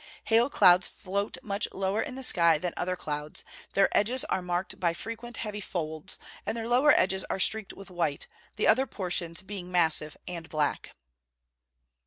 Hail clouds float much lower in the sky than other clouds; their edges are marked by frequent heavy folds; and their lower edges are streaked with white, the other portions being massive and black.